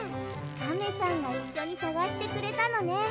カメさんがいっしょにさがしてくれたのね！